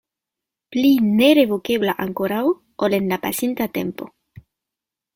Pli nerevokebla ankoraŭ ol en la pasinta tempo.